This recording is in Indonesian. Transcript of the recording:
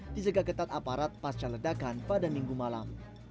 dijaga ketat aparat pasca ledakan pada minggu malam